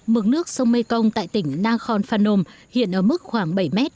mực nước sông mekong tại tỉnh nakhon phanom hiện ở mức khoảng bảy m